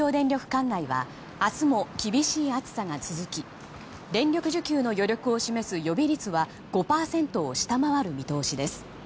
管内は明日も厳しい暑さが続き電力需給の余力を示す予備率は５％を下回る見通しです。